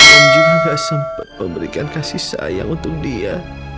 om juga gak sempat memberikan kasih sayang untuk dia